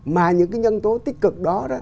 mà những cái nhân tố tích cực đó